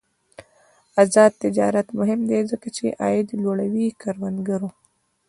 آزاد تجارت مهم دی ځکه چې عاید لوړوي کروندګرو.